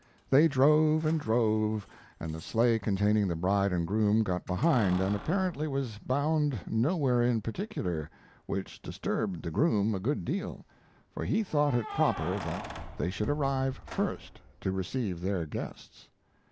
They drove and drove, and the sleigh containing the bride and groom got behind and apparently was bound nowhere in particular, which disturbed the groom a good deal, for he thought it proper that they should arrive first, to receive their guests.